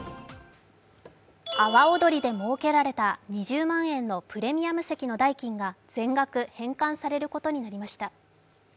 阿波おどりで設けられた２０万円のプレミアム席の代金が全額返還されることになりました。